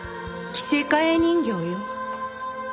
着せ替え人形よ。